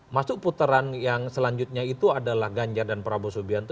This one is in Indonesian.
masuk putaran yang selanjutnya itu adalah ganjar dan prabowo subianto